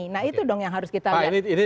nah itu dong yang harus kita lihat